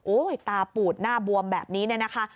โอ้โฮตาปูดหน้าบวมแบบนี้นะคะ